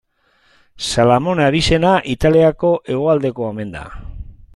Salamone abizena Italiako hegoaldekoa omen da.